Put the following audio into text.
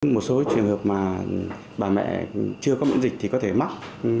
một số trường hợp mà bà mẹ chưa có miễn dịch thì có thể mắc